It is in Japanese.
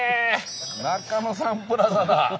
中野サンプラザだ！